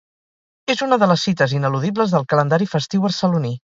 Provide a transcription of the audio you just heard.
És una de les cites ineludibles del calendari festiu barceloní.